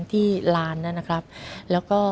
ที่ลานนะครับแล้วก็